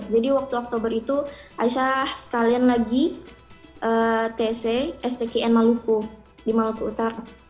jadi waktu oktober itu aisyah sekalian lagi tc stkn maluku di maluku utara